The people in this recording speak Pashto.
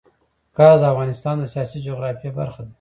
ګاز د افغانستان د سیاسي جغرافیه برخه ده.